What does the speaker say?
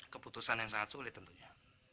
keputusan yang sangat sulit tentunya